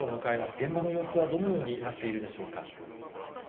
現場の様子はどのようになっているでしょうか。